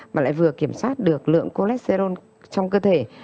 mà lại vừa kiểm soát được lượng cholesterol trong cơ thể